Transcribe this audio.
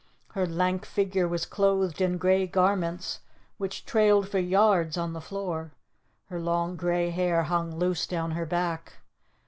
Her lank figure was clothed in grey garments, which trailed for yards on the floor. Her long, grey hair hung loose down her back.